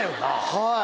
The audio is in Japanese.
はい。